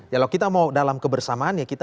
kalau kita mau dalam kebersamaan ya kita